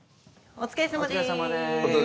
お疲れさまです。